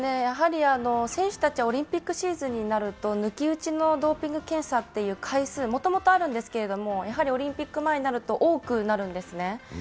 やはり選手たちはオリンピックシーズンになると抜き打ちのドーピング検査の回数、もともとあるんですけれども、やはりオリンピック前になると多くなるんですね。